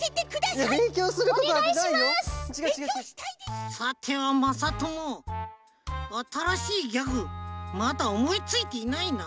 さてはまさともあたらしいギャグまだおもいついていないな。